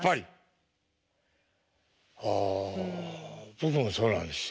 僕もそうなんですよ。